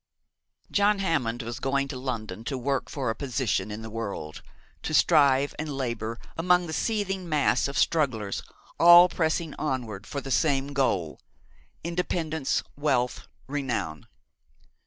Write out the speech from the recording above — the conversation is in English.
John Hammond was going to London to work for a position in the world, to strive and labour among the seething mass of strugglers, all pressing onward for the same goal independence, wealth, renown.